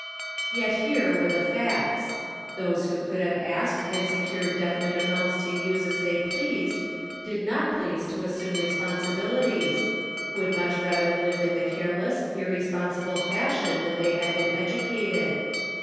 . Yet here were the facts. Those who could have asked and secured definite amounts to 242 The Pocket Measure. use as they pleased, did not please to assume responsibilities — would much rather live in the careless, irresponsible fashion that they had been educated.